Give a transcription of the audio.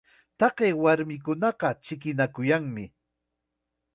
Taqay warmikunaqa chikinakuyanmi.